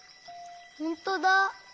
ほんとだ！